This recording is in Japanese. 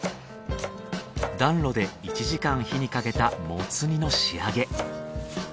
暖炉で１時間火にかけたモツ煮の仕上げ。